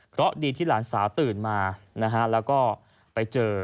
เพราะดีที่หลานสาวตื่นมานะฮะแล้วก็ไปเจอ